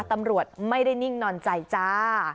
ตำรวจไม่ได้นิ่งนอนใจจ้า